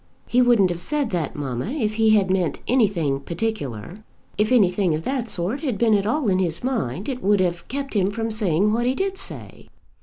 "He wouldn't have said that, mamma, if he had meant anything particular. If anything of that sort had been at all in his mind, it would have kept him from saying what he did say."